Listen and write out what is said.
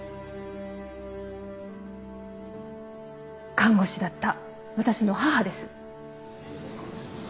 看護師だった私の母です。